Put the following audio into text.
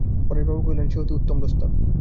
পরেশবাবু কহিলেন, সে অতি উত্তম প্রস্তাব।